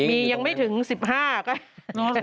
มียังไม่ถึง๑๕น้อง